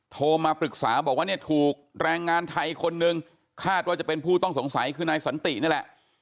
โทรมาปรึกษาบอกว่าเนี่ยถูกแรงงานไทยคนนึงคาดว่าจะเป็นผู้ต้องสงสัยคือนายสันตินี่แหละ